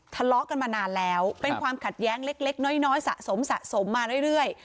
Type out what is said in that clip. ทะเลาะกันมานานแล้วเป็นความขัดแย้งเล็กน้อยสะสมสะสมมาเรื่อย